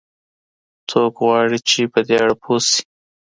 څوک غواړي چي په دې اړه پوه سي؟